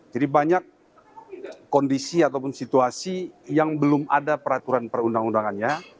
jadi banyak kondisi ataupun situasi yang belum ada peraturan perundang undangannya